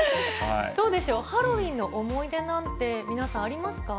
どうでしょう、ハロウィーンの思い出なんて、皆さん、ありますか。